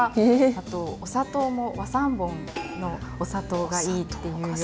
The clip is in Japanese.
あとお砂糖も和三盆のお砂糖がいいっていうような。